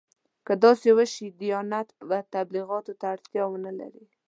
که داسې وشي دیانت به تبلیغاتو ته اړتیا ونه لري.